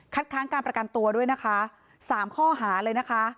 ค้างการประกันตัวด้วยนะคะสามข้อหาเลยนะคะ